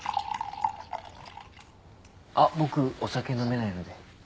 あっ僕お酒飲めないので。